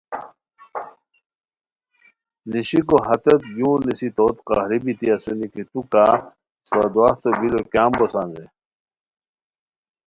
نیشیکو ہتیت یو نیسی توتے قہری بیتی اسونی کی تو کا اسپہ دواہتو بیلو کیام بوسان رے!